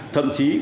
thậm chí có thể